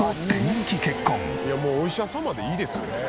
いやもう「お医者様」でいいですよ。